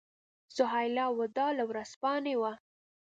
سهیلا وداع له ورځپاڼې وه.